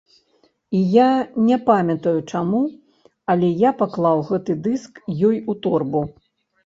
І я не памятаю чаму, але я паклаў гэты дыск ёй у торбу.